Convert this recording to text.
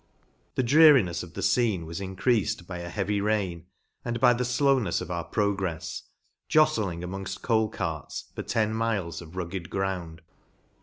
The dreari nefs of the fcene was increafed by a heavy rain and by the flownefs of our progrefs, joftling amongft coal carts, for ten miles of rugged ground.